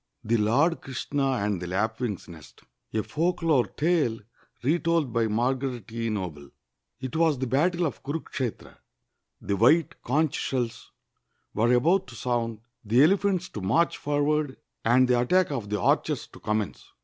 THE LORD KRISHNA AXD THE LAPWTXG'S NEST A FOLKLORE TALE RETOLD BY M ARGARET E. NOBLE It was the battle of Kunikshetra. The white conch sheUs were about to sound, the elephants to march for ward, and the attack of the archers to commence.